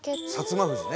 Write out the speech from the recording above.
摩富士ね。